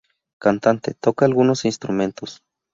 Cantante, toca algunos instrumentos.